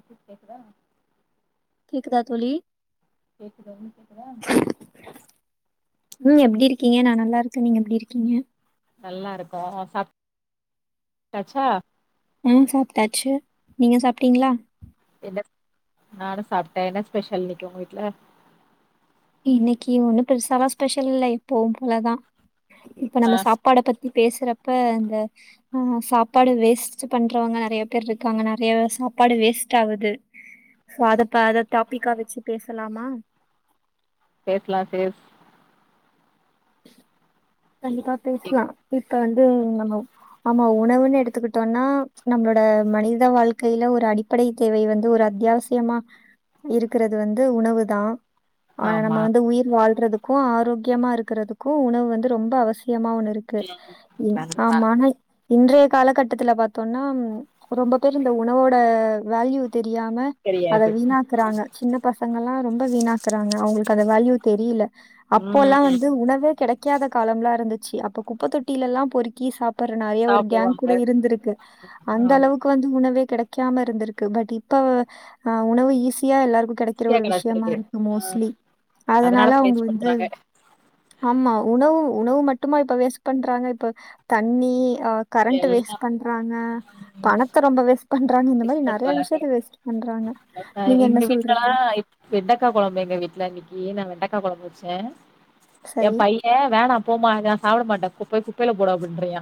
இப்ப கேக்குதா கேக்குதா‌ தோழி [inaudible] ம் எப்டி இருக்கீங்க நா நல்லாருக்கே நீங்க எப்டி இருக்கீங்க நல்லா இருக்கோ சாப் டாச்சா ம் சாப்ட்டாச்சு நீங்க சாப்ட்டீங்ளா என்ன [unintelligible] நானு சாப்ட்டே என்ன ஸ்பெஷல் இன்னக்கி உங்க வீட்ல இன்னைக்கு ஒன்னு பெருசாலா ஸ்பெஷல் இல்ல எப்போவு போலதா இப்ப ஆ நம்ம சாப்பாட பத்தி பேசுறப்ப அந்த ஆ சாப்பாடு வேஸ்ட் பண்றவங்க நெறைய பேர் இருக்காங்க நெறைய சாப்பாடு வேஸ்ட் ஆகுது சோ அதப்ப அத டாபிக்கா வெச்சு பேசலாமா பேசலா சிஸ் கண்டிப்பா பேசலா இப்ப வந்து நம்ம உ ஆமா உணவுன்னு எடுத்துக்கிட்டோனா நம்மளோட மனித வாழ்க்கைல ஒரு அடி ப்படை தேவை வந்து ஒரு அத்தியாவசியமா இருக்கிறது வந்து உணவு தா ஆனா நம்ம ஆமா வந்து உயிர் வாழ்றதுக்கு ஆரோக்கியமா இருக் றதுக்கு உணவு வந்து ரொம்ப அவசியமா ஒண்ணு இருக்கு கண்டிப்பா ஆமா இன்றைய காலகட்டத்துல பாத்தோனா ரொம்ப பேர் இந்த உணவோட வேல்யூ தெரியாம அத தெரியாது வீணாக்கறாங்க சின்ன பசங்கல்லா ரொம்ப வீணாக்கறாங்க அவங்ளுக்கு அந்த வேல்யூ தெரில அப்போல்லா ம் வந்து உணவே கெடைக்காத காலம்ல்லா இருந்துச்சு அப்ப குப்ப தொட்டிலல்லா பொறுக்கி சாப் பர்ற நெறைய ஒரு கேங் சாப்டுவாங்க கூட இருந்திருக்கு அந்த ஆமா அளவுக்கு வந்து உணவே கெடைக்காம இருந்திருக்கு பட் இப்ப உணவு ஈஸியா எல்லாருக்கு கெடை கிற ஈஸியா ஒரு விஷயமா கெடச்சிருக்கு இருக்கு மோஸ்ட்லி அதனால அதனாலதா அவ்ங்க வேஸ்ட் வந்து பண்றாங்க ஆமா உணவு உணவு மட்டுமா இப்ப வேஸ்ட் பண்றாங்க இப்ப தண்ணி அ கரண்ட்டு எல்லா வேஸ்ட் பண்றாங்க பணத்த ரொம்ப வேஸ்ட் பண்றாங்க இந்த மாரி வேஸ்ட் நெறைய பண்றாங்க விஷயத்த வேஸ்ட் பண்றாங்க அ நீங்க எங்க என்ன வீட்லலா சொல்றீங்க வெண்டக்கா கொழம்பு எங்க வீட்ல இன்னிக்கி நா வெண்டக்கா கொழம்பு வச்சே எ சரி. பைய் ய வேணா போமா இத நா சாப்ட மாட்டே குப்பை குப்பையில போடு அப்டிண்றியா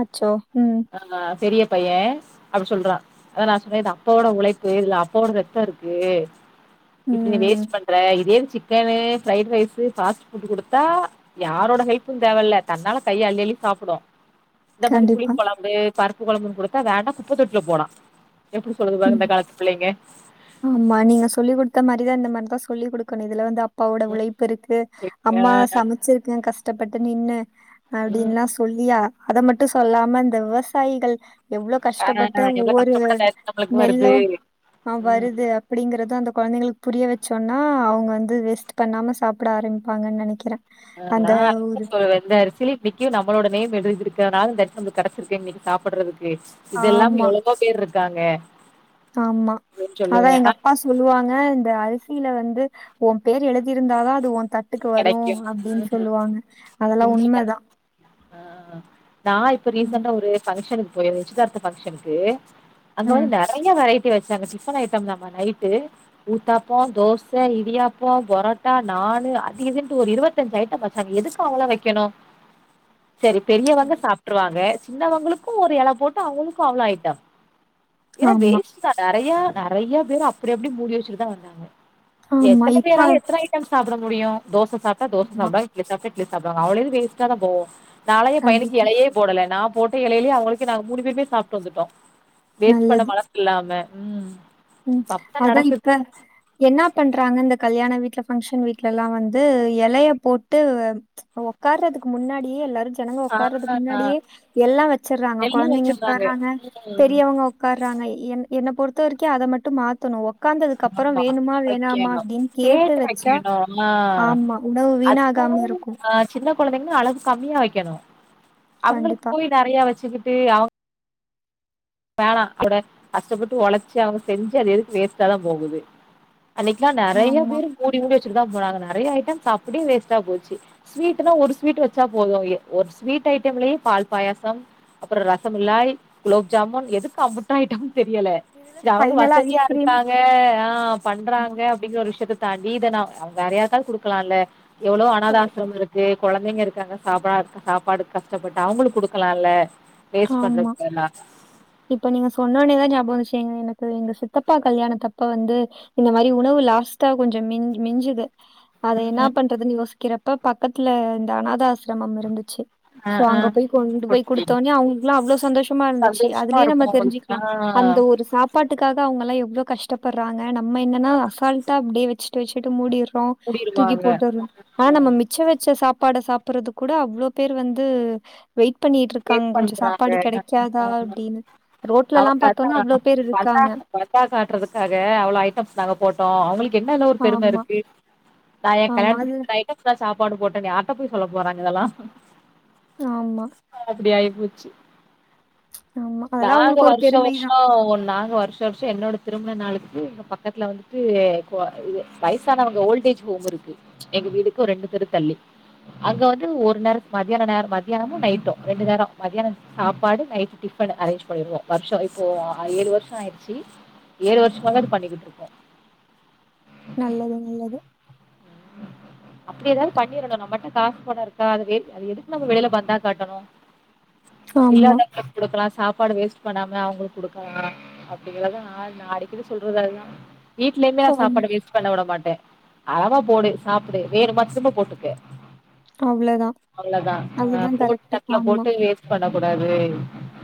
அச்சோ ம் ஆ பெரிய பைய அப்டி சொல்றா அ நா சொன்னே இது அப்பாவோட ஒழைப்பு இதுல அப்பாவோட ரெத்த இருக்கு இப்டி நீ ம். வேஸ்ட் பண்ற இதே chicken fried rice fast food குடுத்தா யாரோட ஹெல்ப்பு தேவயில்ல தன்னால கை அள்ளி அள்ளி சாப்டு இந்த மாரி புளி கண்டிப்பா. கொழம்பு பருப்பு கொழம்புன் குடுத்தா வேண்டா குப்பத் தொட்டில போட்லா எப்டி சொல்லுதுங்க பாருங் இந்த காலத் பிள்ளைங்க ம்மா நீங்க சொல்லி குடுத்த மாரிதா இந்த மாரிதா சொல்லி குடுக்கணு இதுல வந்து அப் ப்பாவோட ஒழைப் இருக்கு ம் அம்மா ஆ சமச்சிருக்கே கஷ்டப்பட்டு நின்னு ம் அப்டின்ல்லா சொல்லி அத மட்டு சொல்லாம இந்த விவசாயிகள் எவ்ளோ ஆ கஷ்டப்பட்டு எவ்ளோ ஒவ்வொரு கஷ்டப்பட்ட டயத்து நம்மளுக்கு நெல்லு வருது அ ம் வருது அப்டிங்கறது அந்த கொழந்தைங்களுக் புரிய வச்சோன்னா அவுங்க வந்து வேஸ்ட் பண்ணாம சாப்ட ஆரம்பிப்பாங்கன் நெனக்கிற ஆ நா [inaudible] சொல்றது [unintelligible] இன்னிக்கு நம்மளோட நேம் எழுதியிருக்கனால இந்த எடத்து நம்முளுக் கெடைச்சிருக்கே இன்னிக் சாப்பட்றதுக்கு இதெல்லாம் எவ்ளவோ பேர் இருக்காங்க ஆம்மா அப்டின்னு அதா சொல்லுவே எங்க ஆ அப்பா சொ சொல்லுவாங்க இந்த அரிசியில வந்து ஒ பேர் எழுதியிருந்தாதா அது ஒ தட்டுக்கு வரு கெடைக்கு அப்டின் சொல்லுவாங்க அதெல்லா உண்மைதா உண்மதா ஆ நா இப்ப ம், ரீசண்டா ஒரு பங்க்ஷனுக்கு போய் நிச்சயதார்த்த பங்க்ஷனுக்கு அங்க ம். வந்து நெறைய வெரைட் ட்டு வெச்சாங்க டிஃபன் ஐட்டம்தாமா நைட்டு ஊத்தாப்போ தோச இடியாப்போ பொரோட்டா நானு அது இதுண்டு ஒரு இருபத்தஞ் ஐட்டோ வெச்சாங்க எதுக்கு அவ்ளோ வெகுக்கணு செரி பெரியவங்க கண்டிப்பா. சா ட்ருவாங்க சின்னவங்களுக்கு ஒரு எல போட்டு அவுங்குளுக்கு அவ்ளோ ஐட்டோ எல்லா ஆமா, வேஸ்ட் தா நெறைய நெறைய பேரு அப்டி அப்டி மூடி வெச்சுட் தா வந்தாங்க ஆமா. எத்தன இப்ப பேரால எத்தன ஐட் டம் சாப்ட முடியு தோச சாப்டா தோச ஆமா, சாப்டுவாங் இட்லி சாப்டா இட்லி சாப்டுவாங் அவ்ளோ இது வேஸ்டா தா போகு நாலா எ பையனுக்கு கண்டிப்பா. எலையே போடல நா போட்ட எலையிலயு அவங்களுக்கே நாங்க மூணு பேருமே சாப்ட்டு வந்துட்டோ வேஸ்ட் பண்ண மனஸ் இல்லாம உம் உம் அதா இப்ப என்னா பண்றாங்க இந்த கல்யாண வீட்ல பங்க்ஷன் வீட்ல எல்லா வந்து எலைய போட்டு ஒக்காறதுக் முன்னாடியே எல்லாரு ஜனங்க ஆ ஒக்காறதுக் ஆ முன்னாடியே எல்லா வெச்சறாங்க எல்லா கொழந்தைங்க வச்சிருந்தாங்க ஒக்காறாங்க ம் பெரியவங்க ஒ ஒக்காறாங்க என் என்ன பொறுத்த வரைக்கு அத மட்டு மாத்தணு ஒக்காந்ததுக்கு அப்பறோ ஆமா வேணுமா வேணாமா வைக்கணும் அப்டின் கேட்டு வெச்சா வைக்கணும் ஆ ஆம்மா உணவு வீண ஆகாம அதுவும் இருக்கு ஆ சின்ன கொழந்தைங்கனா அளவு கம்மியா வெக்கணு அவுங்குளுக் கண்டிப்பா. போய் நெறைய வெச்சுக்கிட்டு அவுங் வேணா [unintelligible] கஷ்டப்பட்டு ஒழச்சு அவுங்க செஞ்சது எதுக் வேஸ்டாதா போகுது அன்னைக்ல்லா நெறைய ஆமா. பேர் மூடி மூடி வெச்சட்டு தா போனாங்க நெறைய ஐட்டம்ஸ் அப்டியே வேஸ்ட்டா போச்சு ஸ்வீட்னா ஒரு ஸ்வீட் வெச்சா போது எ ஒரு ஸ்வீட் ஐட்டம்லயே பால் பாயாசம் அப்பற ரசமிலாய் ஜாமுன் எதுக்கு அம்முட்டு ஐட்டம் தெரியல இதுல த அவுங்க ஃபைனலா வசதியா ஐஸ்கிரீம் இருக்காங்க ஆ ஆமா, பண்றாங்க அப்டிங்கிற ஒரு விஷயத்த தாண்டி இத நா வேறயார்க்காது குடுக்கலால எவ்ளோ கண்டிப்பா. அனாதாசரம் இருக்கு கொழந்தைங்க இருக்காங்க சாப்டா இரு சாப்பாடுக் கஷ்டப்பட்டு அவங்ளுக்கு குடுக்கலால்ல வேஸ்ட் ஆம்மா பண்றதுக்கு பதிலா இப்ப நீங்க சொன்னோனேதா ஞாபம் வந்துச்ச எனக்கு எங்க சித்தப்பா கல்யாண தப்ப வந்து இந்த மாரி உணவு லாஸ்ட்டா கொஞ்ச மிஞ் மிஞ்சுது அத ம் ம் என்னா பண்றதுனு யோசிக்கிறப்ப பக்கத்துல இந்த அனாத ஆசிரமம் இருந்துச்சு ஆ சோ ஆ அங்க போயி கொண்டு போயி குடுத்துட்டீங்க. குடுத்தோனே அவங்க அவ்ளோ சந்தோஷமா இருந்துச்சு சந்தோஷமா அதுலயே இருக்கு நம்ம அவங்களுக்கு தெரிஞ்சிக்லா ஆ அந்த ஒரு ஒரு சாப்பாட்டுக்காக அவங்கல்லா எவ்ளோ கஷ்டப்படுறாங்க நம்ம என்னன்னா அசால்ட் அப்டியே வெச்சுட்டு வெச்சுட்டு மூடிர்றோ தூக்கி கூடிருவாங்க போட்டுர்றோ ஆனா நம்ம மி ச்ச வெச்ச சாப்பாட சாப்படுறது கூட அவ்ளோ பேர் வந்து வெயிட் பண்ணிட்டு கேர் இருக்காங்க கொஞ்ச சாப் பண்றாங்க பாடு கெடைக்காதா அப்டின்னு ரோட்லல்லா பாத்தோனா அவ்ளோ பேர் இருக்காங்க பந்தா காட்டுறதுக்காக அவ்ளோ ஐட்டம்ஸ் நாங்க போட்டோ அவங்ளுக்கு என்னென்ன ஒரு பெரும ஆமா, இருக்கு நா எ ஆமா. கல்யாணத்துக்கு அது இத்தன ஐட்டம்ஸ் தா சாப்பாடு போட்டேனு யார்ட்ட போயி சொல்ல போறாங்க இதெல்லா ஆம்மா அப்டி ஆகி போச்சு ஆமா. அதெல்லாம் நாங்க அவங்களுக்கு ஒரு வருஷ பெருமை வருஷோ தான். ஒ நாக வருஷ இந்த வருஷோ என்னோட திருமண நாளுக்குங் பக்கத்துல வந்துட்டு வயசானவங்க ஓல்ட ஏஜ் ஹோம் இருக்கு எங்க வீடுக்கு ஒர் ரெண்டு தெரு தள்ளி அங்க வந்து ஒரு நேர மதியான நேரோ மத்தியானமு நைட்டு ரெண்டு நேரம் மதியானம் சாப்பாடு நைட் டிஃபன் அரேஞ்ச் பண்ணிருவோ வருஷோ இப்போ ஏழு வருஷ ஆயிடுச்சு ஏழு வருஷமாதா அது பண்ணிக்கிட்டு இருக்கோ நல்லது நல்லது உம் அப்டி ஏதாவது பண்ணிடணு நம்மட்ட காசு பணம் இருக்கா அது அது எதுக்கு நம வெளில வந்தா பந்தா காட்டணு ஆமா. இல்லாதவங்களுக்கு குடுக்கலா சாப்பாடு வேஸ்ட் பண்ணாம அவங்ளுக் குடுக்கலா அப்டிங்களா தா நா அடிக்கடி சொல்றது அதா வீட்டுலயுமே நா ஆமா. சாப்பாடு வேஸ்ட் பண்ண வுட மாட்டே அளவா போடு சாப்டு வேணுமா திரும்ப போட்டுக்க அவ்ளதான். அவ்ளோதா அதுதான் போட் கரெக்ட்டு. தட்ல ஆமா. போட்டு வேஸ்டு வேஸ்ட் பண்ணக்கூடாது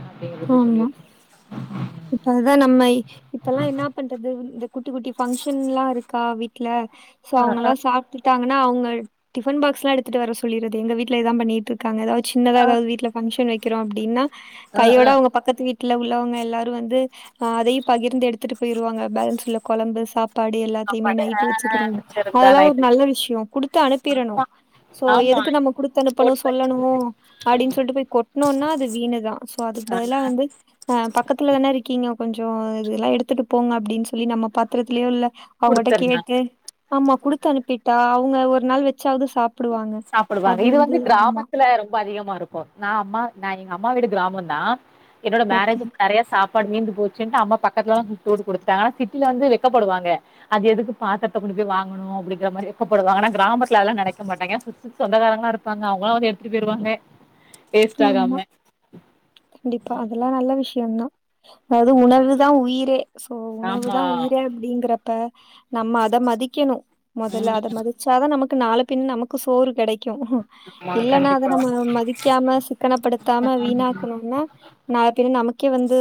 அப்படிங்கது ஆமா. சொல்லிருக்கம் இப்ப அததா நம்மை இப்பல்லா என்னா பண்றது இந்த குட்டி குட்டி பங்க்ஷன்ல்லா இருக்கா வீட்ல சோ ஆ அவங்கல்லா சாப்ட்டு டாங்கனா அவுங்க டிபன் பாக்ஸ் எலாம் எடுத்துட்டு வர சொல்லியிறது எங்க வீட்ல இதா பண்ணிட்டு இருக்காங்க ஏதாவது சின்னதா ஏதாவது வீட்ல ஃபங்ஷன் வெக்கிறோ அப்டின்னா ஆ கையோட ஆ அவுங் பக்கத்து வீட்ல உள்ளவங்க எல்லாரு வந்து அதையு பகிர்ந்து எடுத்துட்டு போயிருவாங்க பேலன்ஸ் உள்ள கொழம்பு சாப் பாடு எல்லாத்தையுமே சாப்பாடு ஆ நைட்டு ஆ வெச்சுக்கிற செருப்புதா அதெல்லா ஒரு நைட்டு நல்ல விஷ்யோ குடுத்து அனுப்பிறனு சோ ஆமா எதுக்கு நம்ம குடுத்து அனுப்பணு போட் சொல்லணு அப்டின்னு சொல்ட்டு போயி கொட்டோம்னா அது வீணுதா சோ அதுக் பதிலா வந்து அ பக்கத்துல தானே இருக்கீங்க கொஞ்ச இதெல்லா எடுத்ட் போங்க அப்டின்னு சொல்லி நம்ம பாத்திரத்திலயோ இல்ல அவுங்கிட்ட குடுத்துருங்க கேட்டு நம்ம குடுத் அனுப்பிட்டா அவுங்க ஒரு நாள் வெச்சாவது சாப் பிடுவாங்க இது வந்து கிராமத்துல ரொம்ப அதிகமா இருக்கு நா அம்மா நா எங்கம்மா வீடு கிராமம் தா என்னோட ஓகே. மேரேஜ் நெறைய சாப் பாடு மீந்து போச்சுட்டு அம்மா பக்கத்துலல்லா கூப்ட்டு குடுத்தா சிட்டில வந்து வெக்கப்படுவாங்க அது எதுக்கு பாத்தரத்த கொண்டு போயி வாங்கணு அப்டிங்கிற மாரி வெக்கப்படுவாங்க ஆனா கிராமத்துல எல்லா நெனைக்க மாட்டாங்க சொந்தகாரங்கலா இருப்பாங்க அவுங்கலா வந்து எடுத்துட் போய்ருவாங்க ஆமா கண்டிப்பா அதெல்லா நல்ல விஷ்யந்தா அது உணவு தா உயிரே சோ உணவு ஆமா தா உயிரே அப்டிங்கறப்ப நம்ம அத மதிக்கனு மொதல்ல அத ம் மதி வேச்சாதா நமக்கு நாளா பிண்ண நமக்கு சோறு கிடைக்கு ஆமா இல்லேன்னா அத கண்டிப்பா நம்ம மதிக் வைக்காம சிக்கனப்படுத்தாம ஆமா வீணாக்கணும்னா நால பிண்ண நமக் கே வந்து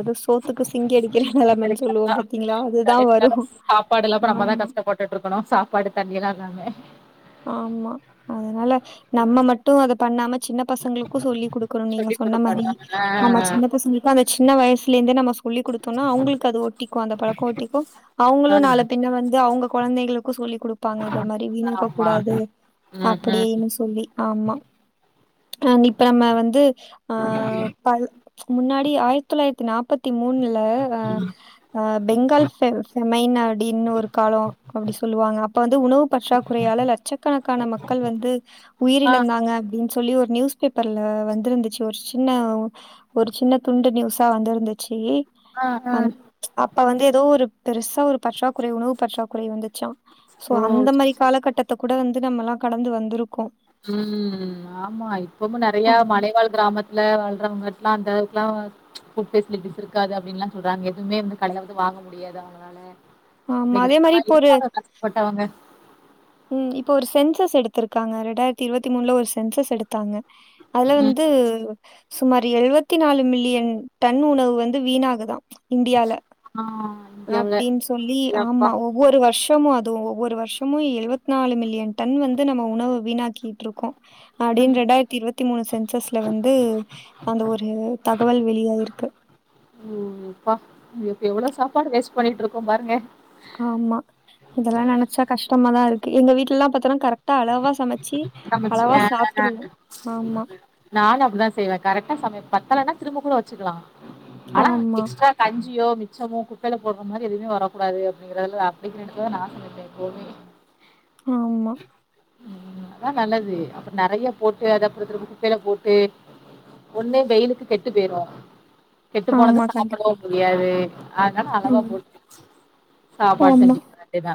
அது சோத்துக்கு சிங்கி அடிக்கிற நிலமைன்னு சொல்லுவோ கரெக்ட்டுதா பாத்தீங்களா அதுதா வரு கடைசில சாப்பாடு இல்லாம நம்ம தா ஆமா கஷ்டப்பட்டுட்டு இருக்கணு சாப்பாடு தண்ணிலா இல்லாம ஆமா அதனால நம்ம மட்டு அத பண்ணாம சின்ன பசங்களுக்கு சொல்லி குடுக்கணு நீங்க சொல்லி சொன்ன மாரி குடுக்கணு ஆமா நம்ம சின்ன ஆ பசங்களுக்கு அத சின்ன வயசுல இருந்தே நம்ம சொல்லி குடுத்தோம்ன்னா அவங்களுக்கு அது ஒட்டிக்கு அந்த பழக்க ஒட்டிக்கு ஆ அவுங்களு நால பிண்ண வந்து அவுங்க குழந்தைகளுக்கு சொல்லி குடுப்பாங்க இந்த மாரி வீணாக்க ஆமா கூடாது ம் ம் அப்டின்னு சொல்லி ஆமா இப்ப நம்ம வந்து ஆ பல் முன்னாடி ஆயிரத்தி தொள்ளாயிரத்தி நாப்பத்தி மூணுல அ ஆ பெங்கால் ஃபெமைன்அடின்னு ஒரு கால அப்டி சொல்லுவாங்க அப்ப வந்து உணவு கஷ் றா குறையால லட்சக்கணக்கான மக்கள் வந்து உயிர் ஆ இழந்தாங்க அப்டினு சொல்லி ஒரு நியூஸ் பேப்பர்ல வந்திருந்துச்சு ஒரு சின்ன ஒரு சின்ன துண்டு நியூஸா வந்திருந்துச்சு ஆ ஆ அ அப்ப வந்து ஏதோ ஒரு பெருசா ஒரு பற்றாக்குறை உணவு பற்றாக்குறை வந்துச்சா சோ ஓ அந்த மாதிரி காலகட்டத்தை கூட வந்து நம்மல்லா கடந்து வந்திருக்கோ ம் ஆமா இப்பவு நெறய ஆமா மலைவாழ் கிராமத் துல வாழ்றவங்கெல்லா அந்த அதுகெல்லா புட்டேஸ்சிலிட்ஸ் இருக்காது அப்டின்னு எல்லா சொல்றாங்க எதுவுமே வந்து கடயில வந்து வாங்க முடியாது அவுங்களால ஆமா அதே மாரி இப்போ ஒரு பட் அவுங்க ம் இப்போ ஒரு சென்சஸ் எடுத்திருக்காங்க ரெண்டாயிரத்தி இருபத்தி மூணுல ஒரு சென்சஸ் எடுத்தாங்க அதுல ம் வந்து சுமார் ஏழுவத்தி நாலு மில்லிய டன் உணவு வந்து வீணாகு தா இந்தியால ஆ இந்தியாவுல அப்டின்னு சொல்லி எப்பா ஆமா ஒவ்வொரு வருஷமு அதுவு ஒவ்வொரு வருஷமு எழுவத்தி நாலு மில்லிய டன் வந்து நம்ம உணவு வீணாக்கிட்டு இருக்கோ அப்டின்னு ரெண்டாயிரத்தி இருபத்தி மூணு சென்சஸ்ல வந்து அந்த ஒரு தகவல் வெளியாயிருக்கு ம் ம் ம் அப்பா நம்ம இப்போ எவ்வளோ சாப்பாடு வேஸ்ட் பண்ணிட்டு இருக்கோ பாருங்க ஆமா இதெல்லா நினைச்சா கஷ்டமாதா இருக்கு எங்க வீட்டுல எல்லா பாத்தன்னா கரெக் கரெட்டா அழவா சமச்சு சமச்சு அழவா ஆ சாப்பட்டுருவோ ஆமா நானு அப்டிதா செய்வே கரெக்டா சமய பத்தாலனா திரும்ப கூட வச்சுக்கலா ஆனா ஆமா, எக்ஸ்ட்ரா கஞ்சியோ மிச்சமோ குட்டைல போடுற மாரி எதுவுமே வரக்கூடாது அப்டிங்கிறத அப்டிங்கிறதா நா [unintelligible] எப்பவுமே ஆமா ம் அதா நல்லது அப்புற நெறய போட்டு அது அப்புற குப்பையில போட்டு ஒண்ணு வெயிலுக்கு கெட்டு போயிடு கெட்டு போனத ஆமா கண்டிப்பா. சாப்பிடவு முடியாது அதனால அழவா ம். போட்டு சாப்பாடு ஆமா. செஞ்சுக்க வேண்டியாதா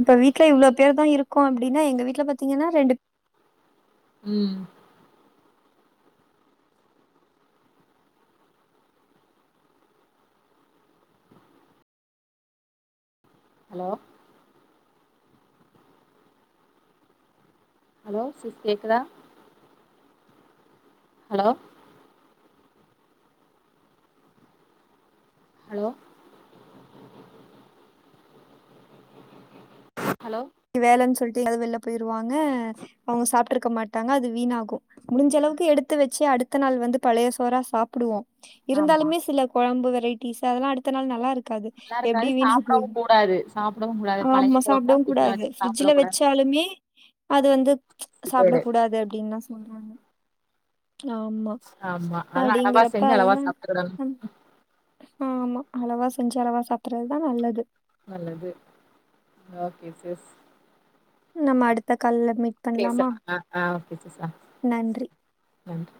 இப்ப வீட்ல இவ்ளோ பேரு தா இருக்கோ அப்டின் எங்க வீட்ல பாத்தீங்கன்னா ரெண்டு பேரு ம் ஹலோ ஹலோ சிஸ் கேக்குதா ஹலோ ஹலோ ஹலோ வேலன் சொல்ட்டு எங்காது வெள்ல போய்ருவாங்க அவ்ங்க சாப்ட்ருக்க மாட்டாங்க அது வீணாகு முடிஞ்சளவுக்கு எடுத்து வெச்சு அடுத்த நாள் வந்து பழைய சோறா சாப்புடுவோ ஆமா இருந்தாலுமே சிலக் கொழம்பு வெரைட்டிஸ் அதெல்லா அடுத்த நாள் நல்லாருக் காது நல்லா இருக்காது எப்டி வீணா போய் சாப்டவு கூடாது சாப்டவு கூடாது பழைய ஆமா கொழம்புலா சாப்டவ் ஃப்ரிட்ஜ்ல கூடாது வச்சு ஃப்ரிஜுல சாப்டக் வெச்சாலுமே அது வந்து சாப்பிட கூடாது அப்டின்னா சொல்றாங்க ஆமா ஆமா. அதா அளவா அடிங்கறப்ப செஞ்சு அளவா அதெல்லா சாப்ட்டுக்கணும் அ ஆ ஆமா அளவா செஞ்சு அளவா சாப்புறதுதா நல்லது நல்லது ஓகே சிஸ் நம்ம அடுத்த கல்ல மீட் பண்ணலாமா? டேசனா அஆ புதுசா நன்றி. நன்றி